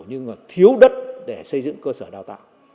nhưng mà thiếu đất để xây dựng cơ sở đào tạo